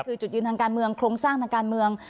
คือจุดยืนทางการเมืองโครงสร้างทางการเมือง